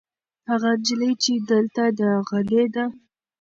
هغه نجلۍ چې دلته ده غلې ده.